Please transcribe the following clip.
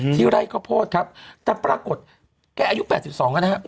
ที่ไล่ข้อโพธิครับแต่ปรากฏแกอายุ๘๒แล้วนะฮะ